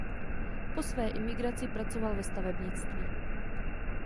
Po své imigraci pracoval ve stavebnictví.